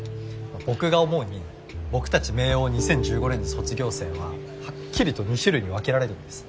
僕が思うに僕たち明王２０１５年度卒業生ははっきりと２種類に分けられるんです。